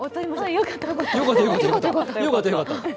よかったよかった。